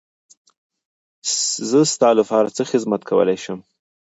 زه ستا لپاره څه خدمت کولی شم.